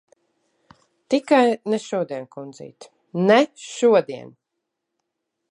Tikai ne šodien, kundzīt. Ne šodien!